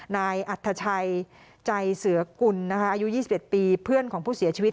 นายอัธชัยใจเสือกุลอายุ๒๑ปีเพื่อนของผู้เสียชีวิต